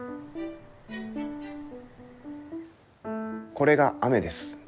これが雨です。